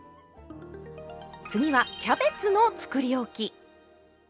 次はキャベツのつくりおき。